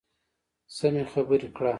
سمې خبرې کړه .